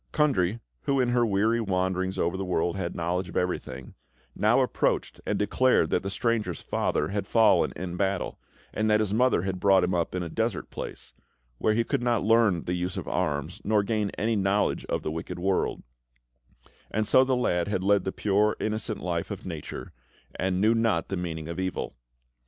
Kundry, who, in her weary wanderings over the world, had knowledge of everything, now approached and declared that the stranger's father had fallen in battle, and that his mother had brought him up in a desert place, where he could not learn the use of arms, nor gain any knowledge of the wicked world; and so the lad had led the pure, innocent life of nature, and knew not the meaning of evil.